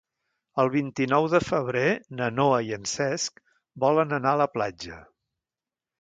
El vint-i-nou de febrer na Noa i en Cesc volen anar a la platja.